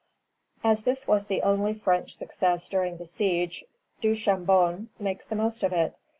As this was the only French success during the siege, Duchambon makes the most of it.